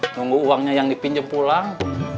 nunggu uangnya yang dipinjam pulang